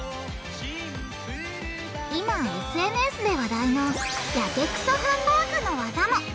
今ＳＮＳで話題の「やけくそハンバーグ」の技も！